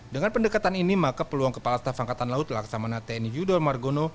dengan pendekatan ini maka peluang kepala staf angkatan laut laksamana tni yudol margono